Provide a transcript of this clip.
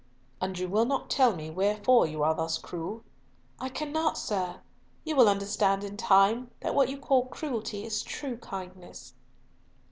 "And you will not tell me wherefore you are thus cruel?" "I cannot, sir. You will understand in time that what you call cruelty is true kindness."